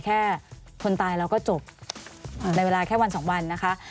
แค่คนตายเราก็จบในเวลาแค่วันสองวันนะคะ